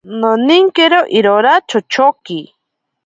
Noninkero irora chochoki.